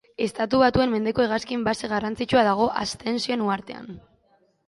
Estatu Batuen mendeko hegazkin base garrantzitsua dago Ascension uhartean.